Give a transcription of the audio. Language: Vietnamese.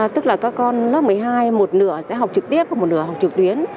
tức là các con lớp một mươi hai một nửa sẽ học trực tiếp một nửa học trực tuyến